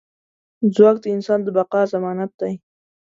ځواک د انسان د بقا ضمانت دی.